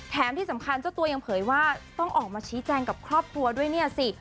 ที่สำคัญเจ้าตัวยังเผยว่าต้องออกมาชี้แจงกับครอบครัวด้วยเนี่ยสิ